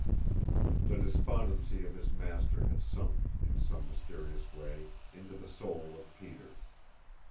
The despondency of his master had sunk, in some mysterious way, into the soul of Peter.